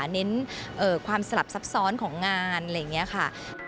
เน้นความสลับซับซ้อนของงานอะไรอย่างนี้ค่ะ